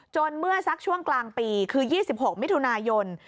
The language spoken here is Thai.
เมื่อสักช่วงกลางปีคือ๒๖มิถุนายน